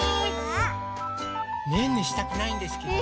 ねんねしたくないんですけど。